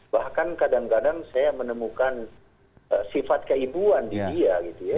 bahkan kadang kadang saya menemukan sifat keibuan di dia gitu ya